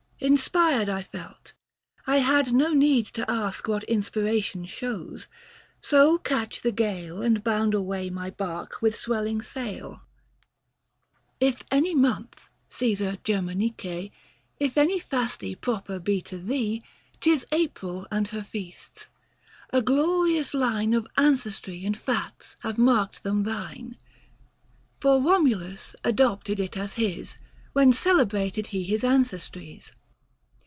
Inspired I felt ; I had no need to ask What inspiration shows — so catch the gale And bound away my barque with swelling sail. 1C 15 20 102 THE FASTI. Book IV. If any month, Csesar Gerrnanice, 25 If any Fasti proper be to thee, 'Tis April and her feasts. A glorious line Of ancestry and facts have marked them thine. f r ,To ma?uiE liadcG adopted it as his When celebrated he his ancestries.